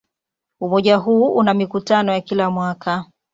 Umoja huu una mikutano ya kila mwaka.